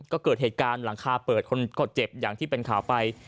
ก็เกิดเหตุการณ์หลังคาเปิดเจ็บอย่างที่เป็นข่าวไป